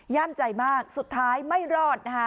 ย่ามใจมากสุดท้ายไม่รอด